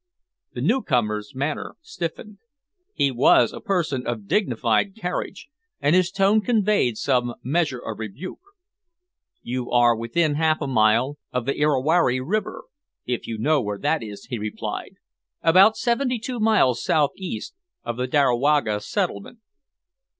The newcomer's manner stiffened. He was a person of dignified carriage, and his tone conveyed some measure of rebuke. "You are within half a mile of the Iriwarri River, if you know where that is," he replied, "about seventy two miles southeast of the Darawaga Settlement."